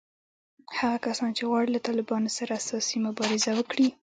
هغه کسان چې غواړي له طالبانو سره اساسي مبارزه وکړي